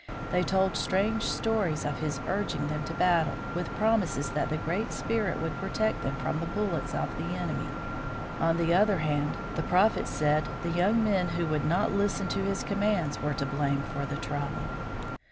They told strange stories of his urging them to battle with promises that the Great Spirit would protect them from the bullets of the enemy. On the other hand, the Prophet said the young men who would not listen to his commands were to blame for the trouble.